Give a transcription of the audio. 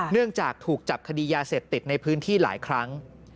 เนื่องจากถูกจับคดียาเสพติดในพื้นที่หลายครั้ง